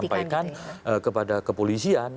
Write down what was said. untuk menyampaikan kepada kepolisian